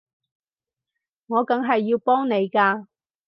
我梗係要幫你㗎